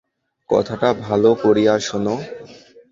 কথাটা ভালো করিয়া শোনো।